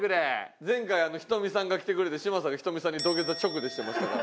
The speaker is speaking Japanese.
前回ｈｉｔｏｍｉさんが来てくれて嶋佐がｈｉｔｏｍｉさんに土下座直でしてましたから。